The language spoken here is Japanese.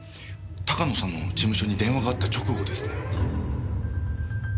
鷹野さんの事務所に電話があった直後ですね。